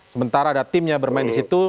sementara ada timnya bermain di situ